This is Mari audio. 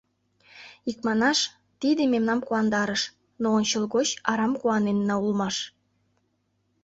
Икманаш, тиде мемнам куандарыш, но ончылгоч арам куаненна улмаш.